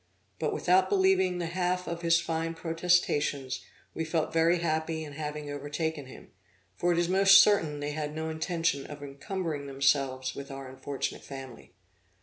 But without believing the half of his fine protestations, we felt very happy in having overtaken him; for it is most certain they had no intention of encumbering themselves with our unfortunate family.